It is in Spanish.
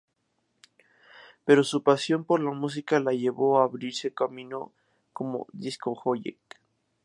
Pero su pasión por la música la llevó a abrirse camino como discjockey.